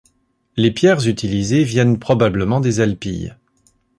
Les pierres utilisées viennent probablement des Alpilles.